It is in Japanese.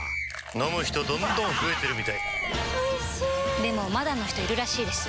飲む人どんどん増えてるみたいおいしでもまだの人いるらしいですよ